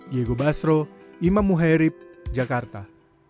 diego basro imam muhairib jakarta